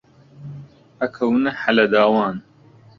ئەکەونە هەلە داوان